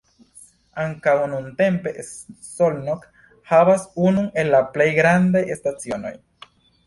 Ankaŭ nuntempe Szolnok havas unun el la plej grandaj stacidomoj.